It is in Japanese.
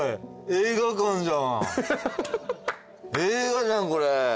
映画じゃんこれ。